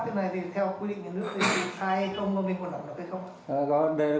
tập kết cát như thế này thì theo quy định của nước thì hay không